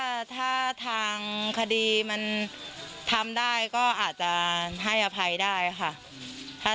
ถ้าทางคดีมันทำได้ก็อาจจะให้อภัยได้ค่ะ